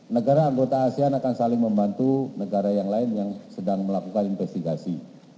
negara anggota asean akan saling membantu negara yang lain yang sedang melakukan investigasi